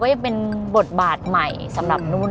ยังเป็นบทบาทใหม่สำหรับนุ่น